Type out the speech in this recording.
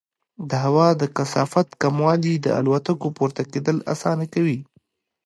د هوا د کثافت کموالی د الوتکو پورته کېدل اسانه کوي.